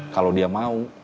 kalau dia mau